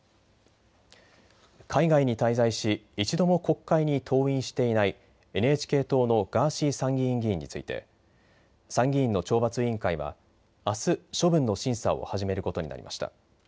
海外に滞在し一度も国会に登院していないＮＨＫ党のガーシー参議院議員について参議院の懲罰委員会はあす処分の審査を始めることになりました。